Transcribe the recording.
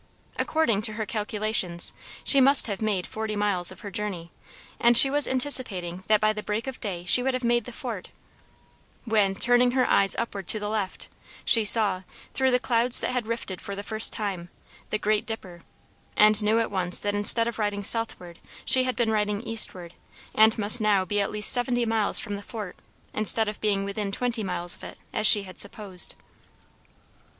According to her calculations, she must have made forty miles of her journey, and she was anticipating that by the break of day she would have made the Fort, when, turning her eyes upward to the left, she saw through the clouds that had rifted for the first time the great dipper, and knew at once that instead of riding southward, she had been riding eastward, and must be now at least seventy miles from the Fort, instead of being within twenty miles of it, as she had supposed.